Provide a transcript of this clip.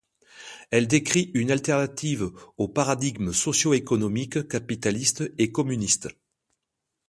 Elle décrit une alternative aux paradigmes socio-économiques capitalistes et communistes.